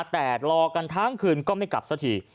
แต่รอกันทั้งคืนก็ไม่กลับสักที